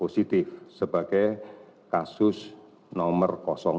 sebagai kasus nomor tujuh